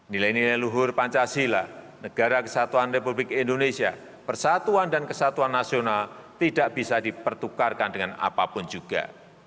nilai nilai luhur pancasila negara kesatuan republik indonesia persatuan dan kesatuan nasional tidak bisa dipertukarkan dengan apapun juga